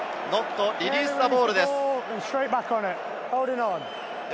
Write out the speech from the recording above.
ノットリリースザボールです。